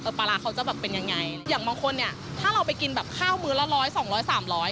ปลาร้าเขาจะแบบเป็นยังไงอย่างบางคนเนี่ยถ้าเราไปกินแบบข้าวมื้อละร้อยสองร้อยสามร้อย